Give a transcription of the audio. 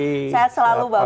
sehat selalu bapak